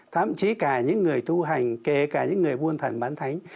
thậm chí cả những người tu hành kể cả những người buôn thần bán thánh